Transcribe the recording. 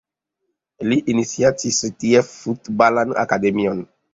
Li iniciatis tie Futbalan Akademion.